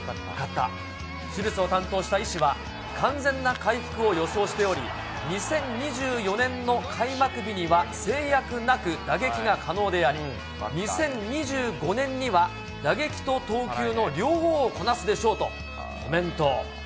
手術を担当した医師は、完全な回復を予想しており、２０２４年の開幕日には制約なく打撃が可能であり、２０２５年には、打撃と投球の両方をこなすでしょうとコメント。